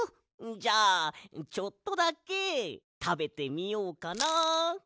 じゃあちょっとだけたべてみようかなあ。